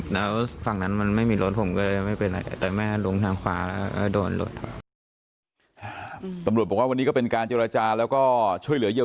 แล้วฝั่งนั้นมันไม่มีรถผมก็เลยไม่เป็นไร